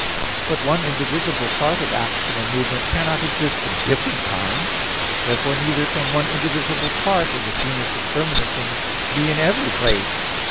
But one indivisible part of action or movement cannot exist in different times; therefore neither can one indivisible part in the genus of permanent things be in every place.